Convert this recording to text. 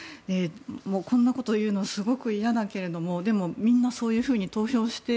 こんなこと言うのはすごく嫌だけれどもでも、みんなそういうふうに投票して。